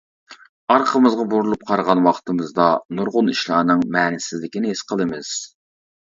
ئارقىمىزغا بۇرۇلۇپ قارىغان ۋاقتىمىزدا، نۇرغۇن ئىشلارنىڭ مەنىسىزلىكىنى ھېس قىلىمىز.